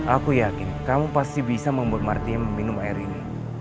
aku yakin kamu pasti bisa membuat martim minum air ini